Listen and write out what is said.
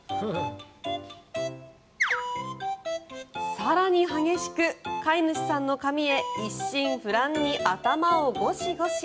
更に激しく飼い主さんの髪へ一心不乱に頭をゴシゴシ。